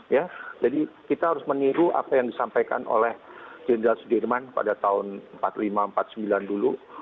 ya jadi kita harus meniru apa yang disampaikan oleh jenderal sudirman pada tahun seribu sembilan ratus empat puluh lima empat puluh sembilan dulu